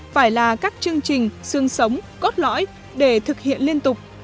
phải là các chương trình sương sống cốt lõi để thực hiện liên tục